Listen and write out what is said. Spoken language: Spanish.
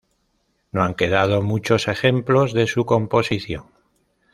No han quedado muchos ejemplos de su composición.